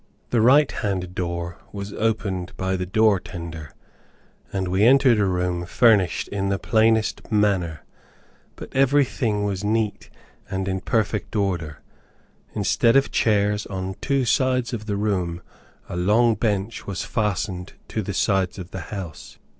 The right hand door was opened by the door tender, and we entered a room furnished in the plainest manner, but every thing was neat, and in perfect order. Instead of chairs, on two sides of the room a long bench was fastened to the sides of the house.